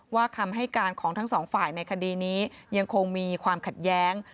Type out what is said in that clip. คำให้การของทั้งสองฝ่ายในคดีนี้ยังคงมีความขัดแย้ง